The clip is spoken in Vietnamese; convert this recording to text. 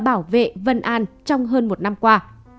bảo vệ vân an trong hơn một năm qua